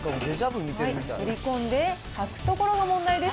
取り込んで、履くところが問題です。